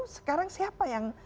sekarang siapa yang